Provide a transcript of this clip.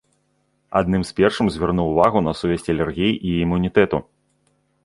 Адным з першых звярнуў увагу на сувязь алергіі і імунітэту.